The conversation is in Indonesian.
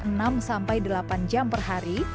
beristirahat selama enam sampai delapan jam per hari